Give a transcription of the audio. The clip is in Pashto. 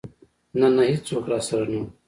نه نه ايڅوک راسره نه و.